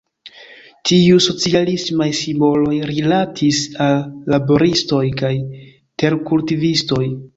Tiuj socialismaj simboloj rilatis al laboristoj kaj terkultivistoj.